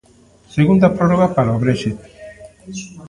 Segunda prórroga para o Brexit.